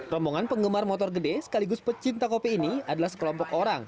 rombongan penggemar motor gede sekaligus pecinta kopi ini adalah sekelompok orang